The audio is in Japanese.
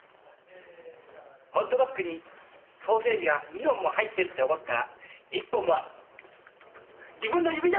ホットドッグにソーセージが２本も入ってるって思ったら１本は自分の指だったよ！